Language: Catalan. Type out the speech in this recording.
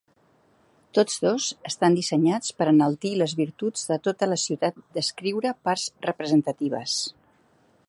Tots dos estan dissenyats per enaltir les virtuts de tota la ciutat descriure parts representatives.